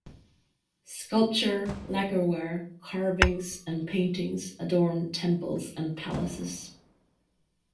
Sculpture, lacquerware, carvings, and paintings adorn temples and palaces.